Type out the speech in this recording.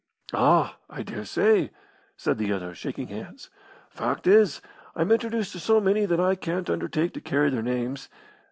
"Ah! I dare say," said the other, shaking hands. "Fact is, I'm introduced to so many that I can't undertake to carry their names.